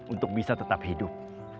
untuk bisa tetap hidup